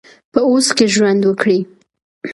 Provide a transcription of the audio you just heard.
په اوس کې ژوند وکړئ